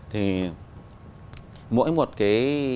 thì mỗi một cái